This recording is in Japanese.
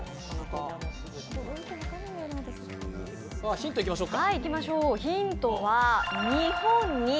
ヒントいきましょうか。